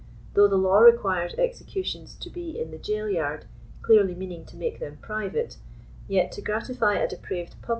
Though the law requires executions to be in the jail yard, clearly meaning to make them private, yet to gratify a depraved public •By one Jabez Boyd.